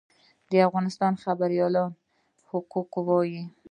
د افغانستان خبریالان حقایق وايي